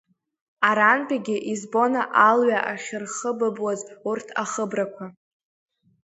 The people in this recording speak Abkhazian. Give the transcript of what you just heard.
Арантәигьы избон алҩа ахьырхыбыбуаз урҭ ахыбрақәа…